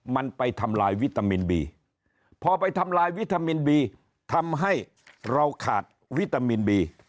มันไปทำลายวิตามินบีพอไปทำลายวิตามินบีทำให้เราขาดวิตามินบี